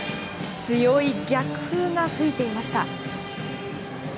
強い逆風が吹いていました。